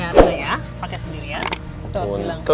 udah ya pake sendiri ya